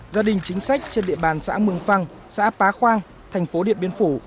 gia đình chính sách trên địa bàn xã mường phăng xã pá khoang thành phố điện biên phủ